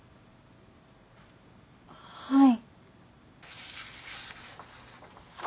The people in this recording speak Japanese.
はい。